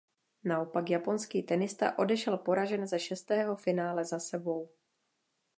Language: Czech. Naopak japonský tenista odešel poražen ze šestého finále za sebou.